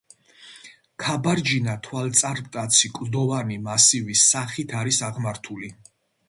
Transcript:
ქაბარჯინა თვალწარმტაცი კლდოვანი მასივის სახით არის აღმართული.